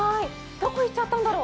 どこ行っちゃったんだろう？